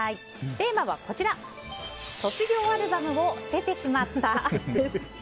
テーマは、卒業アルバムを捨ててしまったです。